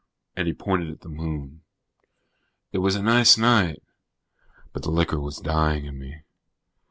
_" And he pointed at the Moon. It was a nice night, but the liquor was dying in me.